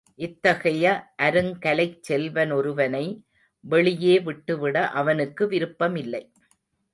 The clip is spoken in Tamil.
இத்தகைய அருங்கலைச் செல்வனொருவனை வெளியே விட்டுவிட அவனுக்கு விருப்பமில்லை.